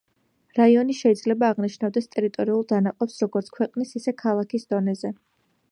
რაიონი შეიძლება აღნიშნავდეს ტერიტორიულ დანაყოფს როგორც ქვეყნის ისე ქალაქის დონეზე.